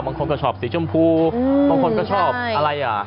บางคนก็ชอบสีชมพูบางคนก็ชอบอะไรอ่ะ